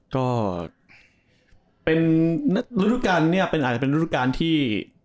ก็เป็นฤดูการเนี่ยอาจจะเป็นฤดูการที่